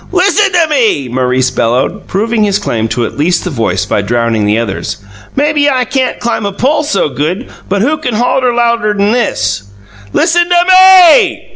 "Listen to ME!" Maurice bellowed, proving his claim to at least the voice by drowning the others. "Maybe I can't climb a pole so good, but who can holler louder'n this? Listen to ME E E!"